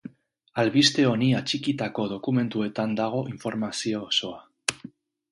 Albiste honi atxikitako dokumentuetan dago informazio osoa.